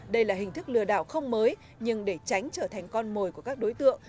đây là hình thức lừa đảo không mới nhưng để tránh trở thành con mồi của các đối tượng